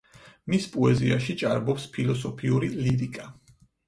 მის პოეზიაში ჭარბობს ფილოსოფიური ლირიკა.